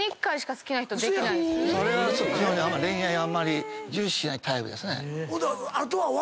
それは恋愛あんまり重視しないタイプですね。